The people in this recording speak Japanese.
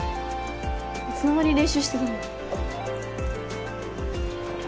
いつの間に練習してたの？